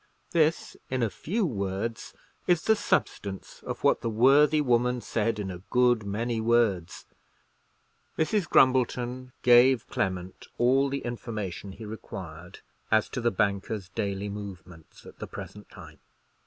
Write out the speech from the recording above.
This, in a few words, is the substance of what the worthy woman said in a good many words. Mrs. Grumbleton gave Clement all the information he required as to the banker's daily movements at the present time.